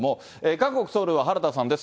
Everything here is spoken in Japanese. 韓国・ソウルは原田さんです。